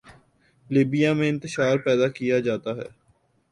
Libya میں انتشار پیدا کیا جاتا ہے۔